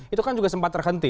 itu kan juga sempat terhenti